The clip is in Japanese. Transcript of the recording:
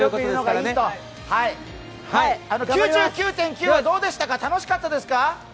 「９９．９」はどうでしたか、楽しかったですか？